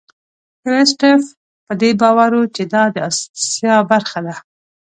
کرستیف په دې باور و چې دا د آسیا برخه ده.